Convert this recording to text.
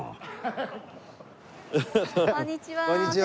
こんにちは。